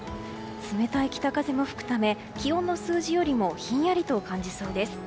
冷たい北風も吹くため気温の数字よりもひんやりと感じそうです。